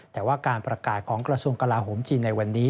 แต่ว่าการประกาศของกระทรวงกลาโหมจีนในวันนี้